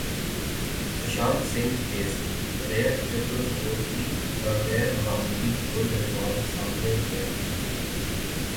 Sushant Singh case Rhea Chakraborty کا غیر معمولی فون ریکارڈ سامنے گیا